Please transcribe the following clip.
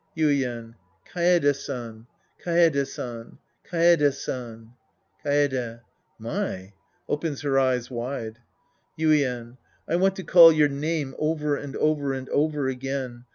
Yuien. Kaede San. Kaede San. Ka?de San. Kaede. My ! {Opens Iter eyes wide.) Yuien. I want to call your name over and over and over again.